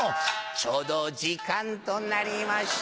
ちょうど時間となりました